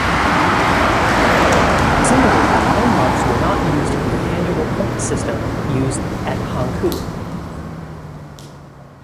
Similarly, tone marks were not used in the tangible point system used at Hankou.